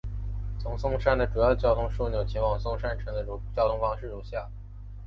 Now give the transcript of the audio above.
从松山的主要交通枢纽前往松山城的交通方式如下。